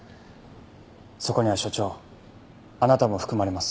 そこには署長あなたも含まれます。